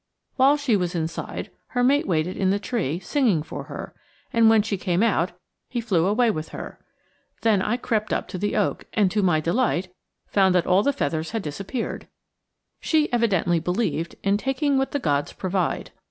While she was inside, her mate waited in the tree, singing for her; and when she came out, he flew away with her. Then I crept up to the oak, and to my delight found that all the feathers had disappeared. She evidently believed in taking what the gods provide.